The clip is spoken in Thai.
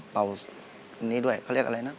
เป่าอันนี้ด้วยเขาเรียกอะไรนะ